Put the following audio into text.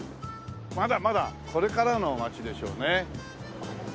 まだまだこれからの街でしょうね。